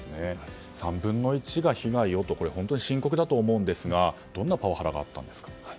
３分の１が被害ということで深刻だと思うんですがどんなパワハラがあったんですか。